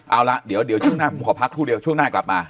เอาละเดี๋ยวช่วงหน้าผมขอพักครู่เดียวช่วงหน้ากลับมา